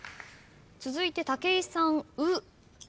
続いて武井さん「う」